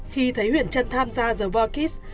khi thấy huyền trân tham gia the vorkids